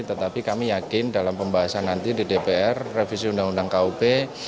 tetapi kami yakin dalam pembahasan nanti di dpr revisi undang undang kup